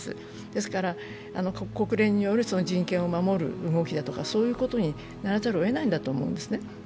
ですから国連による人権を守る動きだとかそういことにならざるをえないんだと思うんですね。